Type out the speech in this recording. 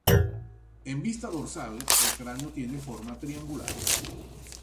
En vista dorsal, el cráneo tiene forma triangular.